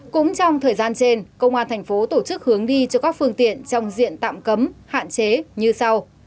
cũng trong thời gian trên công an thành phố tổ chức hướng đi cho các phương tiện trong diện tạm cấm hạn chế như sau